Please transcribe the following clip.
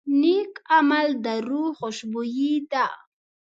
نیک عمل د روح خوشبويي ده.